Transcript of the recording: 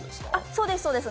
そうですそうです。